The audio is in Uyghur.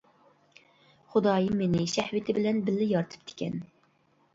خۇدايىم مېنى شەھۋىتى بىلەن بىللە يارىتىپتىكەن.